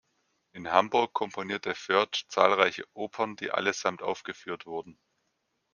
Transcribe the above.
In Hamburg komponierte Förtsch zahlreiche Opern, die allesamt aufgeführt wurden.